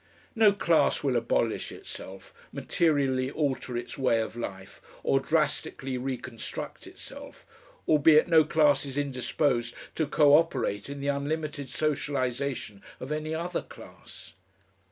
No class will abolish itself, materially alter its way of life, or drastically reconstruct itself, albeit no class is indisposed to co operate in the unlimited socialisation of any other class.